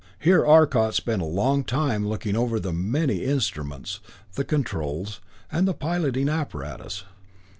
Here Arcot spent a long time looking over the many instruments, the controls, and the piloting apparatus.